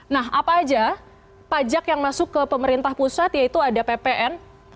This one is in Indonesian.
nah apa aja pajak yang masuk ke pemerintah pusat yaitu ada ppn